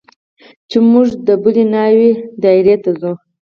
چې موږ د بلې ناوې دايرې ته ځو.